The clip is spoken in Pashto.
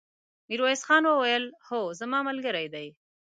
ميرويس خان وويل: هو، زما ملګری دی!